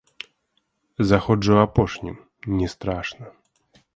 Заходжу апошнім, не страшна.